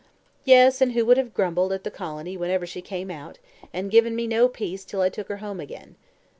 "Yes, and who would have grumbled at the colony whenever she came out, and given me no peace till I took her home again.